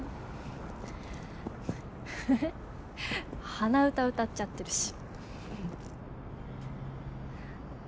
鼻歌歌っちゃってるし。